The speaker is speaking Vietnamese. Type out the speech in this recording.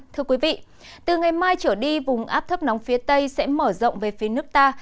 thưa quý vị từ ngày mai trở đi vùng áp thấp nóng phía tây sẽ mở rộng về phía nước ta